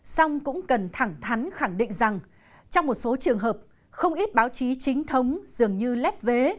xong cũng cần thẳng thắn khẳng định rằng trong một số trường hợp không ít báo chí chính thống dường như lép vế